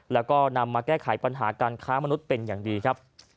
แล้วก็นำมาแก้ไขปัญหาการค้ามนุษย์เป็นอย่างดีครับ